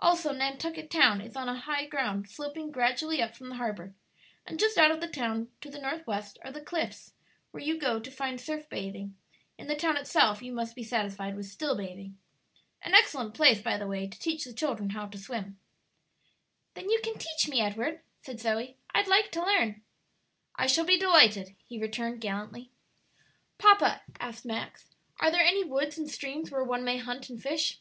Also Nantucket Town is on high ground sloping gradually up from the harbor; and just out of the town, to the north west, are the Cliffs, where you go to find surf bathing; in the town itself you must be satisfied with still bathing. An excellent place, by the way, to teach the children how to swim." "Then you can teach me, Edward," said Zoe; "I'd like to learn." "I shall be delighted," he returned, gallantly. "Papa," asked Max, "are there any woods and streams where one may hunt and fish?"